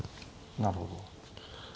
なるほど。